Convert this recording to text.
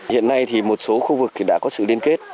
hiện nay thì một số khu vực đã có sự liên kết